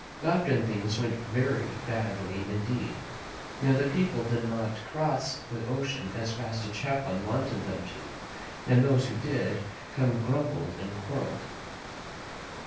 Often things went very bad indeed. New people did not cross the ocean as fast as Champlain wanted them to, and those who did come grumbled and quarreled.